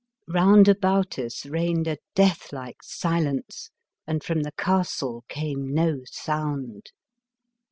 Round about us reigned a death like silence, and from the castle came no sound.